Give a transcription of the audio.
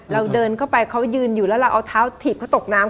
เราเดินเข้าไปเขายืนอยู่แล้วเราเอาเท้าถีบเขาตกน้ำ